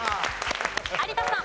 有田さん。